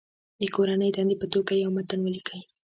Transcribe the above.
د کورنۍ دندې په توګه یو متن ولیکئ.